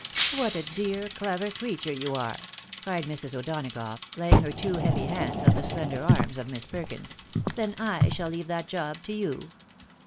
" What a dear, clever creature you are !" cried Mrs. O'Dona gough, laying her two heavy hands on the slender arms of Miss Perkins; " then I shall leave that job to you.